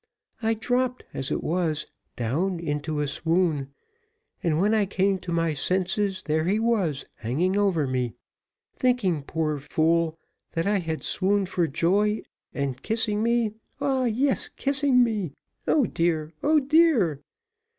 I dropped as it was, down into a swoon, and when I came to my senses, there he was hanging over me; thinking, poor fool, that I had swooned for joy, and kissing me pah! yes, kissing me. O dear! O dear!